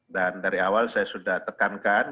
dan dari awal saya sudah tekankan